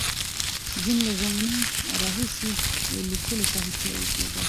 جین له ځوانۍ راهیسې لیکلو ته هڅول کېده.